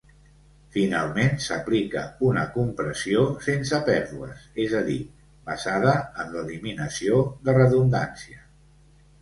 Finalment, s'aplica una compressió sense pèrdues, és a dir, basada en l'eliminació de redundància.